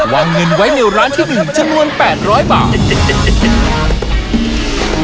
วางเงินไว้ในร้านที่๑จำนวน๘๐๐บาท